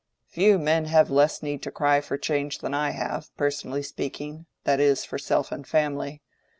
Few men have less need to cry for change than I have, personally speaking—that is, for self and family.